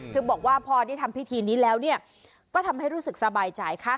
บอกว่าพอได้ทำพิธีนี้แล้วก็ทำให้รู้สึกสบายใจค่ะ